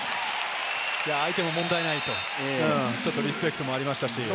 相手も問題ないとリスペクトもありましたし。